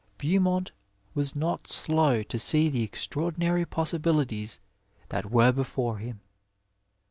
Beau mont was not slow to see the extraordinary possibilities that were before him.